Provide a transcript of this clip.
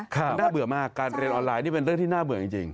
มันน่าเบื่อมากการเรียนออนไลน์นี่เป็นเรื่องที่น่าเบื่อจริง